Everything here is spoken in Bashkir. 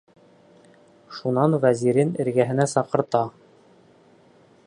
Шунан вәзирен эргәһенә саҡырта: